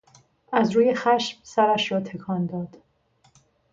از روی خشم سرش را تکان داد.